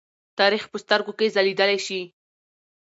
تاریخ په سترګو کې ځليدلی شي.